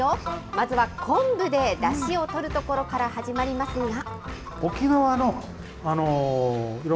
まずは昆布でだしを取るところから始まりますが。